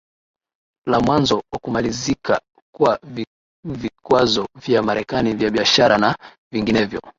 la mwanzo wa kumalizika kwa vikwazo vya Marekani vya biashara na vinginevyo